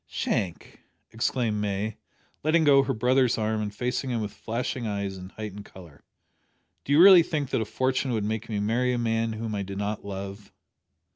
"Shank!" exclaimed May, letting go her brother's arm and facing him with flashing eyes and heightened colour, "do you really think that a fortune would make me marry a man whom I did not love?"